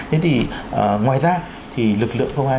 nên thì ngoài ra thì lực lượng công an